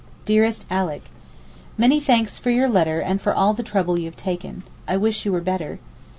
DEAREST ALICK, Many thanks for your letter and for all the trouble you have taken. I wish you were better.